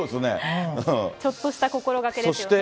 ちょっとした心がけですよね。